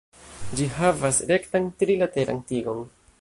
Ĝi havas rektan, tri-lateran tigon.